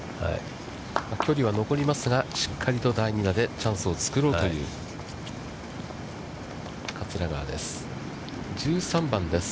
距離は残りますが、しっかりと第２打でチャンスをつくろうという桂川です。